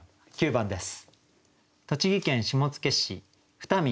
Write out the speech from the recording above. ９番です。